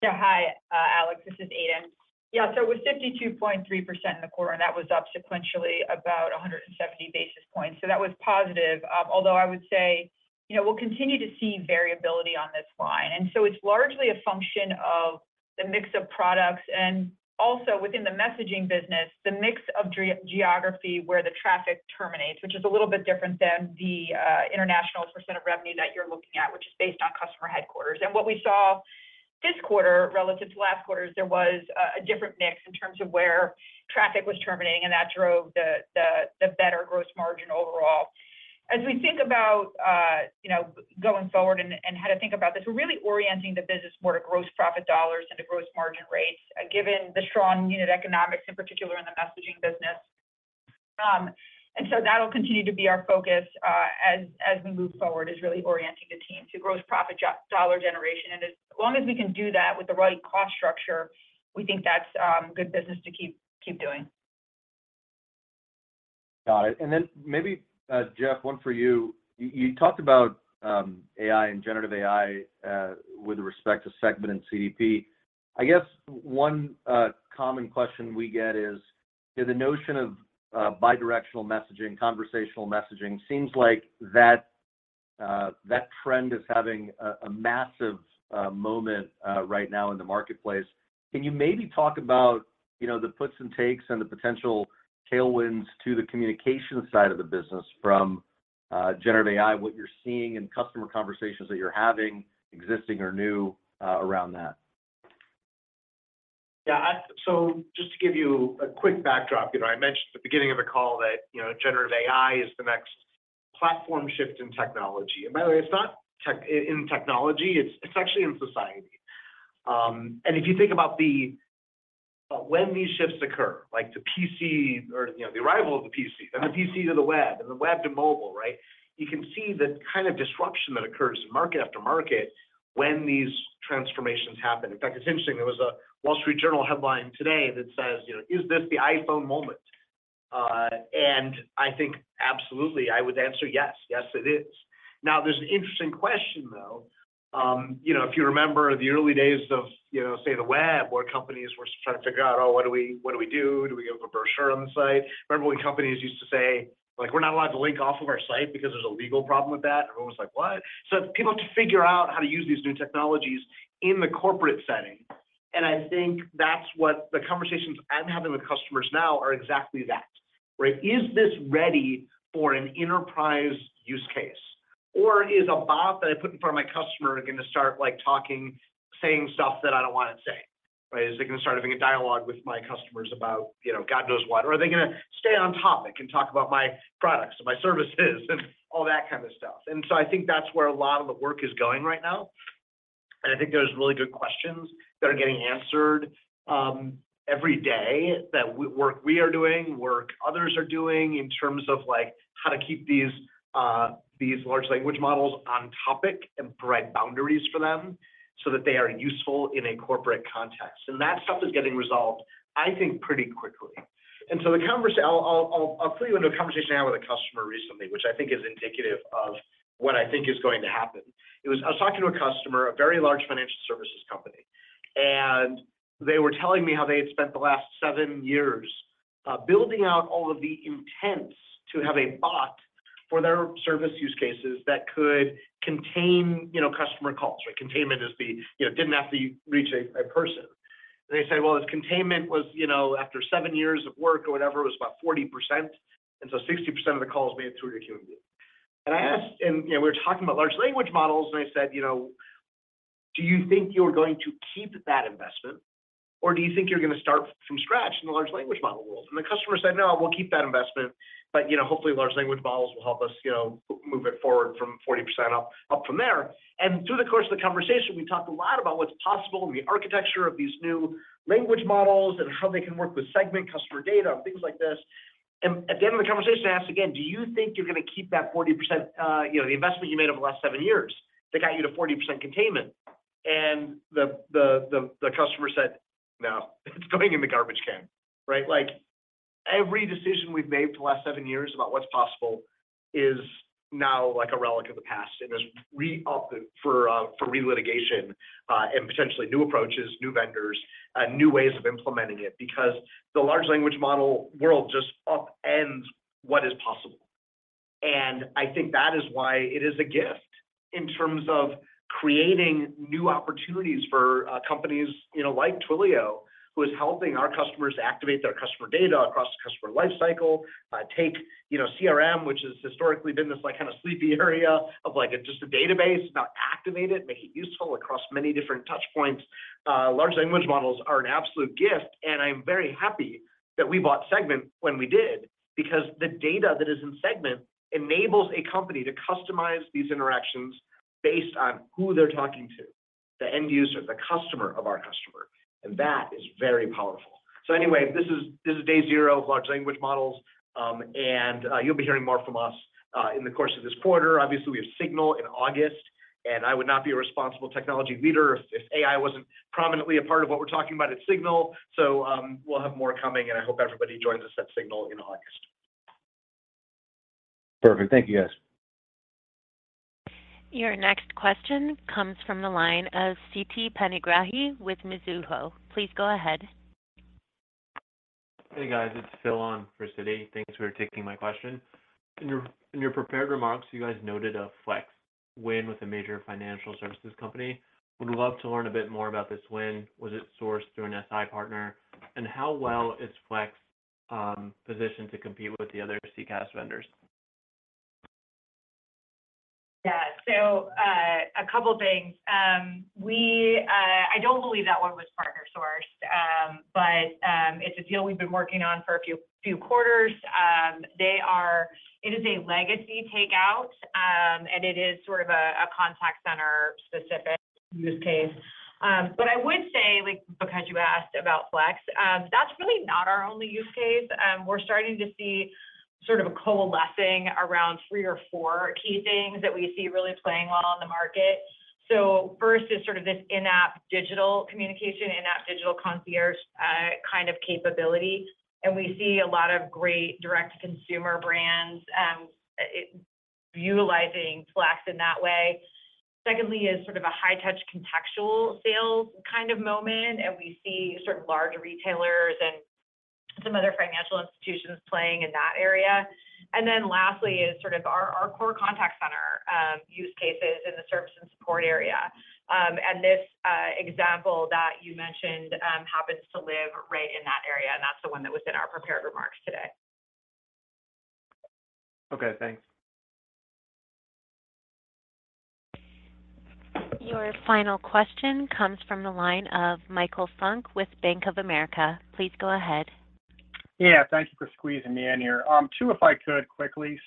Yeah. Hi, Alex. This is Aidan. Yeah, it was 52.3% in the quarter, and that was up sequentially about 170 basis points. That was positive. Although I would say, you know, we'll continue to see variability on this line. It's largely a function of the mix of products and also within the messaging business, the mix of geography where the traffic terminates, which is a little bit different than the international percent of revenue that you're looking at, which is based on customer headquarters. What we saw this quarter relative to last quarter is there was a different mix in terms of where traffic was terminating, and that drove the better gross margin overall. As we think about, you know, going forward and how to think about this, we're really orienting the business more to gross profit dollars and to gross margin rates, given the strong unit economics, in particular in the messaging business. So that'll continue to be our focus, as we move forward, is really orienting the team to gross profit dollar generation. As long as we can do that with the right cost structure, we think that's good business to keep doing. Got it. Then maybe Jeff, one for you. You talked about AI and generative AI with respect to Segment and CDP. I guess one common question we get is the notion of bidirectional messaging, conversational messaging seems like that trend is having a massive moment right now in the marketplace. Can you maybe talk about, you know, the puts and takes and the potential tailwinds to the communication side of the business from generative AI, what you're seeing in customer conversations that you're having existing or new around that? Yeah. Just to give you a quick backdrop, you know, I mentioned at the beginning of the call that, you know, generative AI is the next platform shift in technology. By the way, it's not in technology, it's actually in society. If you think about the... when these shifts occur, like the PC or, you know, the arrival of the PC and the PC to the web and the web to mobile, right? You can see the kind of disruption that occurs in market after market when these transformations happen. In fact, it's interesting, there was a Wall Street Journal headline today that says, you know, "Is this the iPhone moment?" I think absolutely, I would answer yes. Yes, it is. Now, there's an interesting question, though. You know, if you remember the early days of, you know, say, the web, where companies were trying to figure out, "Oh, what do we do? Do we have a brochure on the site?" Remember when companies used to say, like, "We're not allowed to link off of our site because there's a legal problem with that." Everyone was like, "What?" People have to figure out how to use these new technologies in the corporate setting. I think that's what the conversations I'm having with customers now are exactly that, right? Is this ready for an enterprise use case? Or is a bot that I put in front of my customer gonna start, like, talking, saying stuff that I don't want it to say, right? Is it gonna start having a dialogue with my customers about, you know, God knows what? Are they gonna stay on topic and talk about my products or my services and all that kind of stuff? I think that's where a lot of the work is going right now. I think those are really good questions that are getting answered, every day that work we are doing, work others are doing in terms of, like, how to keep these large language models on topic and provide boundaries for them so that they are useful in a corporate context. That stuff is getting resolved, I think, pretty quickly. I'll put you into a conversation I had with a customer recently, which I think is indicative of what I think is going to happen. I was talking to a customer, a very large financial services company, and they were telling me how they had spent the last seven years building out all of the intents to have a bot for their service use cases that could contain, you know, customer calls, right? Containment is the, you know, it didn't have to reach a person. They said, well, this containment was, you know, after seven years of work or whatever, it was about 40%, and so 60% of the calls made it through to a human being. I asked, and, you know, we were talking about large language models, and I said, you know, "Do you think you're going to keep that investment, or do you think you're gonna start from scratch in the large language model world?" The customer said, "No, we'll keep that investment, but, you know, hopefully, large language models will help us, you know, move it forward from 40% up from there." Through the course of the conversation, we talked a lot about what's possible and the architecture of these new language models and how they can work with Segment customer data and things like this. At the end of the conversation, I asked again, "Do you think you're gonna keep that 40%, you know, the investment you made over the last seven years that got you to 40% containment?" The customer said, "No, it's going in the garbage can." Right? Like, every decision we've made for the last seven years about what's possible is now, like, a relic of the past and is up for relitigation and potentially new approaches, new vendors, new ways of implementing it because the large language model world just upends what is possible. I think that is why it is a gift in terms of creating new opportunities for companies, you know, like Twilio, who is helping our customers activate their customer data across the customer life cycle. Take, you know, CRM, which has historically been this, like, kind of sleepy area of, like, just a database, not activate it, make it useful across many different touch points. Large language models are an absolute gift, and I'm very happy that we bought Segment when we did because the data that is in Segment enables a company to customize these interactions based on who they're talking to, the end user, the customer of our customer, and that is very powerful. Anyway, this is day zero of large language models, and you'll be hearing more from us in the course of this quarter. Obviously, we have SIGNAL in August, and I would not be a responsible technology leader if AI wasn't prominently a part of what we're talking about at SIGNAL. We'll have more coming, and I hope everybody joins us at SIGNAL in August. Perfect. Thank you, guys. Your next question comes from the line of Siti Panigrahi with Mizuho. Please go ahead. Hey, guys. It's Phil on for Siti. Thanks for taking my question. In your prepared remarks, you guys noted a Flex win with a major financial services company. Would love to learn a bit more about this win. Was it sourced through an SI partner? How well is Flex positioned to compete with the other CCaaS vendors? Yeah. A couple things. I don't believe that one was partner-sourced, but it's a deal we've been working on for a few quarters. It is a legacy takeout, and it is sort of a contact center specific use case. I would say, like, because you asked about Flex, that's really not our only use case. We're starting to see sort of a coalescing around three or four key things that we see really playing well in the market. First is sort of this in-app digital communication, in-app digital concierge, kind of capability, and we see a lot of great direct-to-consumer brands, utilizing Flex in that way. Secondly is sort of a high-touch contextual sales kind of moment, and we see sort of large retailers and some other financial institutions playing in that area. Then lastly is sort of our core contact center use cases in the service and support area. This example that you mentioned happens to live right in that area, and that's the one that was in our prepared remarks today. Okay, thanks. Your final question comes from the line of Michael Funk with Bank of America. Please go ahead. Yeah. Thank you for squeezing me in here. Two if I could quickly.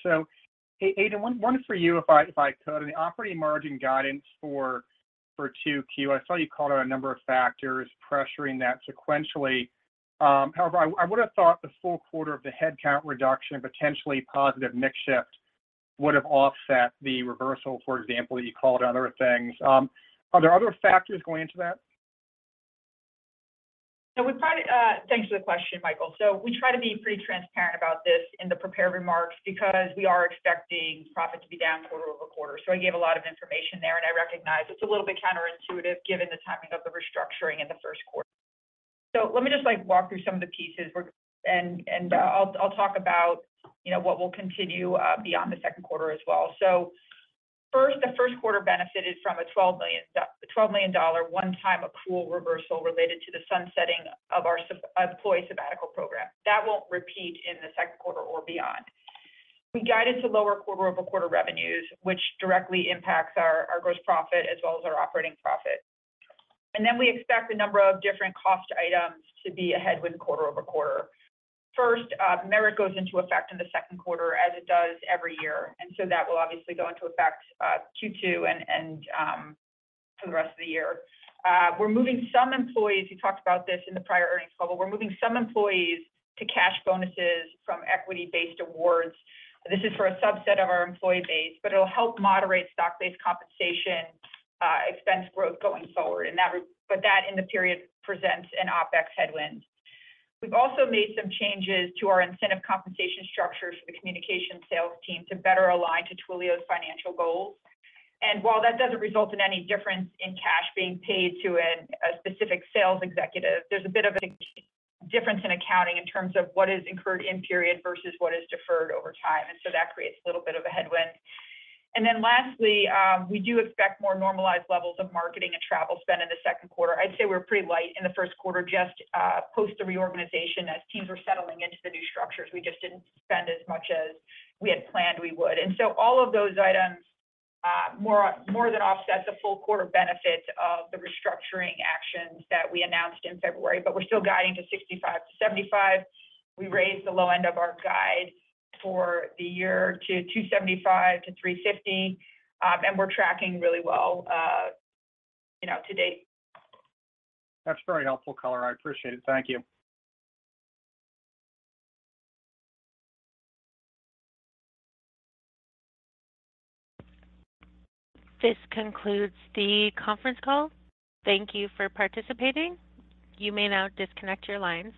Aidan, one for you if I could. On the operating margin guidance for 2Q, I saw you called out a number of factors pressuring that sequentially. However, I would have thought the full quarter of the headcount reduction and potentially positive mix shift would have offset the reversal, for example, that you called out other things. Are there other factors going into that? Thanks for the question, Michael. We try to be pretty transparent about this in the prepared remarks because we are expecting profit to be down quarter-over-quarter. I gave a lot of information there, and I recognize it's a little bit counterintuitive given the timing of the restructuring in the first quarter. Let me just, like, walk through some of the pieces. And I'll talk about, you know, what will continue beyond the second quarter as well. First, the first quarter benefited from a $12 million one-time accrual reversal related to the sunsetting of our employee sabbatical program. That won't repeat in the second quarter or beyond. We guided to lower quarter-over-quarter revenues, which directly impacts our gross profit as well as our operating profit. We expect a number of different cost items to be a headwind quarter-over-quarter. First, Merit goes into effect in the second quarter as it does every year, that will obviously go into effect, Q2 and for the rest of the year. We're moving some employees, we talked about this in the prior earnings call, but we're moving some employees to cash bonuses from equity-based awards. This is for a subset of our employee base, but it'll help moderate stock-based compensation, expense growth going forward. That in the period presents an OpEx headwind. We've also made some changes to our incentive compensation structure for the communication sales team to better align to Twilio's financial goals. While that doesn't result in any difference in cash being paid to a specific sales executive, there's a bit of a difference in accounting in terms of what is incurred in period versus what is deferred over time. That creates a little bit of a headwind. Lastly, we do expect more normalized levels of marketing and travel spend in the second quarter. I'd say we're pretty light in the first quarter just post the reorganization. As teams were settling into the new structures, we just didn't spend as much as we had planned we would. All of those items more than offset the full quarter benefit of the restructuring actions that we announced in February. We're still guiding to 65-75. We raised the low end of our guide for the year to $275 million-$350 million, and we're tracking really well, you know, to date. That's very helpful color. I appreciate it. Thank you. This concludes the conference call. Thank you for participating. You may now disconnect your lines.